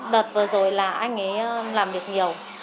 đợt vừa rồi là anh ấy làm việc nhiều